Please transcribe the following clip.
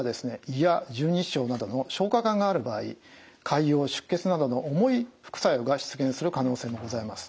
胃や十二指腸などの消化管がある場合潰瘍出血などの重い副作用が出現する可能性もございます。